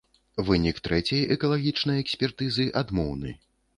Вынік трэцяй экалагічнай экспертызы адмоўны.